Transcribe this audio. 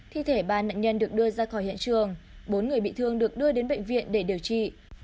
thi thể ba nạn nhân được đưa ra khỏi hiện trường bốn người bị thương được đưa đến bệnh viện để điều trị